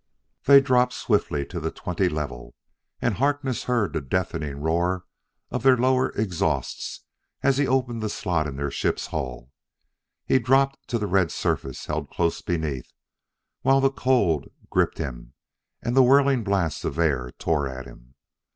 They dropped swiftly to the twenty level, and Harkness heard the deafening roar of their lower exhausts as he opened the slot in their ship's hull. He dropped to the red surface held close beneath, while the cold gripped him and the whirling blasts of air tore at him.